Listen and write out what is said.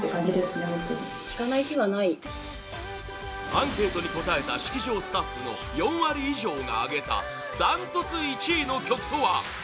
アンケートに答えた式場スタッフの４割以上が挙げたダントツ１位の曲とは？